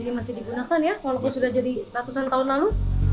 jadi masih digunakan ya walaupun sudah jadi ratusan tahun lalu